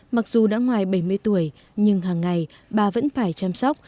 mặc dù đã ngoài bảy mươi tuổi nhưng hàng ngày bà vẫn phải chăm sóc